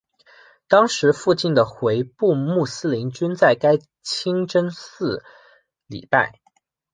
当时附近的回部穆斯林均在该清真寺礼拜。